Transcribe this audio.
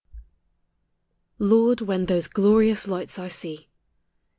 LORD! WHEN THOSE GLORIOUS LIGHTS I SEE.